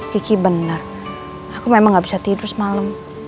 giki bener aku memang gak bisa tidur semalam